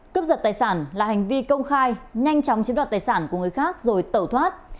cướp giật tài sản là hành vi công khai nhanh chóng chiếm đoạt tài sản của người khác rồi tẩu thoát